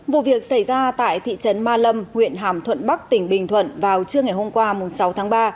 vụ việc xảy ra tại thị trấn ma lâm huyện hàm thuận bắc tỉnh bình thuận vào trưa ngày hôm qua sáu tháng ba